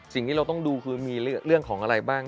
สิ่งที่เราต้องดูคือมีเรื่องของอะไรบ้าง